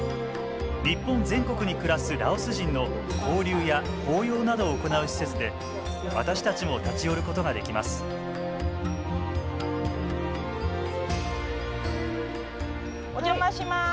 日本全国に暮らすラオス人の交流や法要などを行う施設で私たちも立ち寄ることができますお邪魔します！